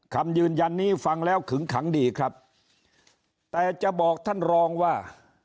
คำยืนยันนี้ฟังแล้วขึงขังดีครับแต่จะบอกท่านรองว่า